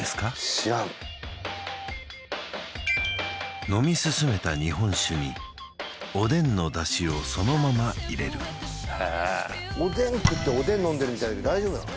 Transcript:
知らん飲み進めた日本酒におでんの出汁をそのまま入れるへーおでん食っておでん飲んでるみたいだけど大丈夫なの？